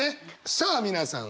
さあ皆さん